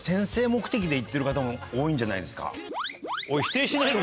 で行ってる方も多いんじゃないですか？